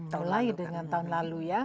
mulai dengan tahun lalu ya